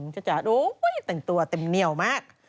อื้อจ๊ะโอ้ยแต่งตัวเต็มเนี่ยวมาก